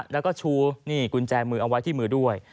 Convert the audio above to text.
แล้วก็ชูนี่กุญแจมือเอาไว้ที่มือด้วย